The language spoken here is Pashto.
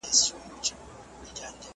اوس عصري مواد هم پکې کارېږي.